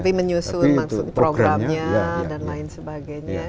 tapi menyusun programnya dan lain sebagainya